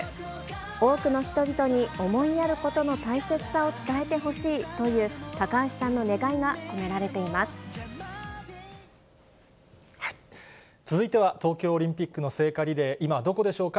多くの人々に想いやることの大切さを伝えてほしいという、高橋さ続いては東京オリンピックの聖火リレー、今どこでしょうか。